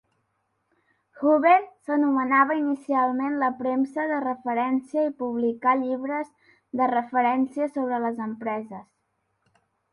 Hoover s'anomenava inicialment la premsa de referència i publicà llibres de referència sobre les empreses.